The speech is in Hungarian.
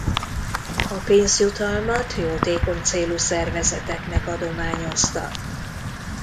A pénzjutalmat jótékony célú szervezeteknek adományozta.